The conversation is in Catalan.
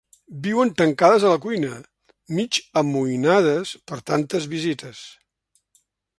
Viuen tancades a la cuina, mig amoïnades per tantes visites.